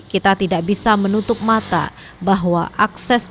kita tidak bisa menutup mata bahwa akses